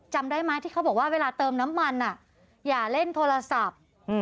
จำได้ไหมที่เขาบอกว่าเวลาเติมน้ำมันอย่าเล่นโทรศัพท์